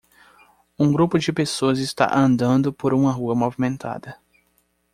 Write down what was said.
Um grupo de pessoas está andando por uma rua movimentada.